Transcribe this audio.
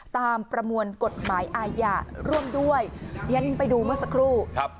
ประมวลกฎหมายอาญาร่วมด้วยเรียนไปดูเมื่อสักครู่ครับ